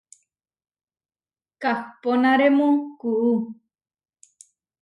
Kahponarému kuú.